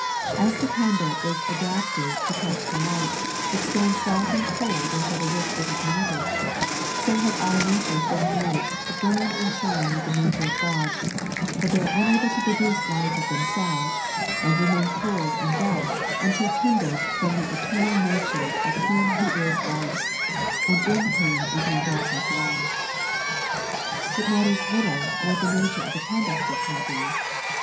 As the candle is adapted to catch the light, but stands dark and cold until the wick is ignited, so have our natures been made to bum and shine with the nature of God, but they are unable to produce light of themselves, and remain cold and dark until kindled from the eternal Nature of Him who is Light, and in " whom is no darkness at aU." It matters little what the 3.n.iized by Google "Have tou bbbn Lighted?" 41 nature of the candlestick may be.